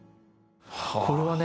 これはね